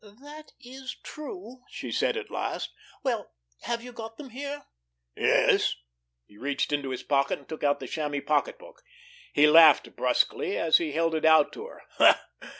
"That is true," she said at last. "Well, have you got them here?" "Yes." He reached into his pocket and took out the chamois pocketbook. He laughed brusquely, as he held it out to her.